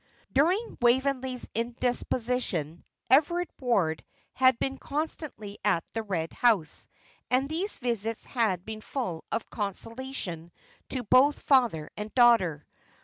During Waveney's indisposition Everard Ward had been constantly at the Red House, and these visits had been full of consolation to both father and daughter.